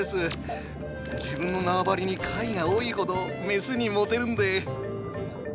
自分の縄張りに貝が多いほどメスにモテるんで。